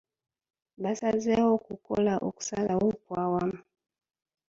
Baasazeewo okukola okusalawo okw'awamu.